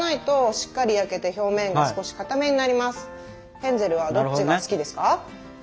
ヘンゼルはどっちが好きですか？